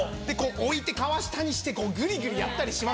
置いて皮下にしてグリグリやったりしますよね。